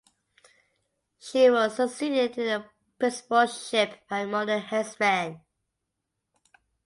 She was succeeded in the principalship by Mona Hensman.